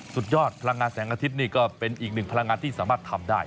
สุดยอดพลังงานแสงอาทิตย์นี่ก็เป็นอีกหนึ่งพลังงานที่สามารถทำได้